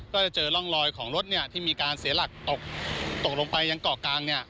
ก็จะเจอร่องรอยของรถที่มีการเสียหลักตกลงไปยังเกาะกลาง